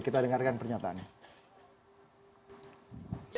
kita dengarkan pernyataannya